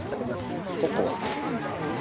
ココア